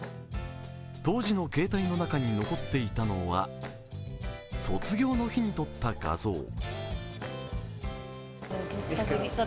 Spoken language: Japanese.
当時の携帯の中に残っていたのは卒業の日に撮った画像。